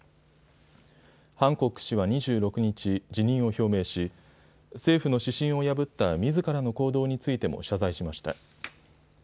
ハンコック氏は２６日、辞任を表明し政府の指針を破ったみずからの行動についても謝罪しました。